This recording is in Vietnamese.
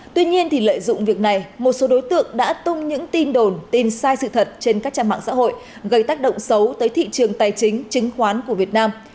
tuy nhiên lợi dụng việc này một số đối tượng đã tung những tin đồn tin sai sự thật trên các trang mạng xã hội gây tác động xấu tới thị trường tài chính chứng khoán của việt nam